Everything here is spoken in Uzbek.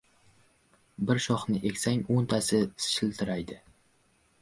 • Bir shoxni egsang o‘ntasi shitirlaydi.